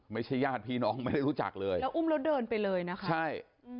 ญาติพี่น้องไม่ได้รู้จักเลยแล้วอุ้มแล้วเดินไปเลยนะคะใช่